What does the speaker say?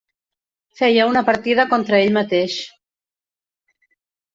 Feia una partida contra ell mateix.